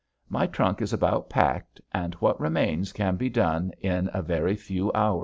My trunk is about packed and what remains can be done in a very few hours.